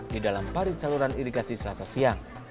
di dalam parit saluran irigasi selasa siang